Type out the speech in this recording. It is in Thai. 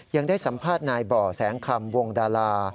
ยังได้สัมภาษณ์นายบ่อแสงคำวงดารา